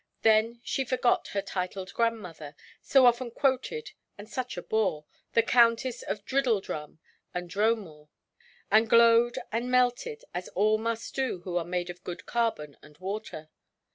Then she forgot her titled grandmother—so often quoted and such a bore, the Countess of Driddledrum and Dromore—and glowed and melted, as all must do who are made of good carbon and water.